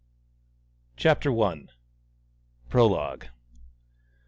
CHAPTER I. PROLOGUE.